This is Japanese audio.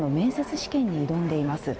試験に挑んでいます。